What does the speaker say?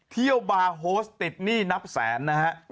เที่ยวบาร์โฮสติดหนี้นับแสนนะฮะ